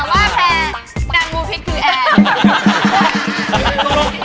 อย่าว่าแพนางงูพริกคือแอน